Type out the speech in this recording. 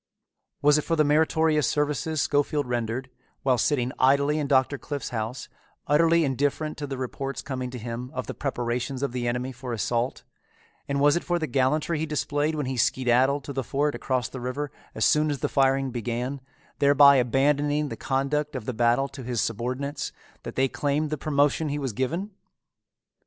Was it for the meritorious services Schofield rendered, while sitting idly in Doctor Cliffe's house, utterly indifferent to the reports coming to him of the preparations of the enemy for assault; and was it for the gallantry he displayed when he skedaddled to the fort across the river as soon as the firing began, thereby abandoning the conduct of the battle to his subordinates, that they claimed the promotion he was given?